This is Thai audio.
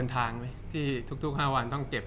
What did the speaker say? จากความไม่เข้าจันทร์ของผู้ใหญ่ของพ่อกับแม่